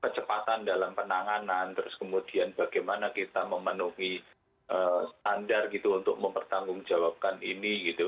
kecepatan dalam penanganan terus kemudian bagaimana kita memenuhi standar gitu untuk mempertanggungjawabkan ini gitu